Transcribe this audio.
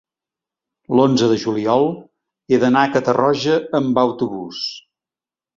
L'onze de juliol he d'anar a Catarroja amb autobús.